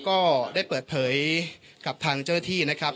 ก็ได้เปิดเผยกับทางเจ้าหน้าที่นะครับ